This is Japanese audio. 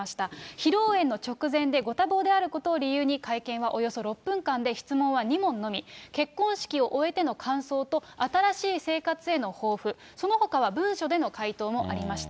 披露宴の直前でご多忙であることを理由に、会見はおよそ６分間で、質問は２問のみ、結婚式を終えての感想と、新しい生活への抱負、そのほかは文書での回答もありました。